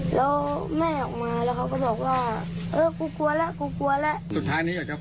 แล้วเขาก็ขี่ตามมากลับบ้าน